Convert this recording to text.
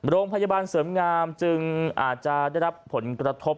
โรงพยาบาลเสริมงามจึงอาจจะได้รับผลกระทบ